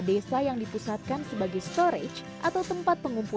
kemudian kita sudah maksimal lagi bisa simpan consists